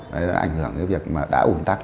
đó đã ảnh hưởng đến việc mà đã ồn tắc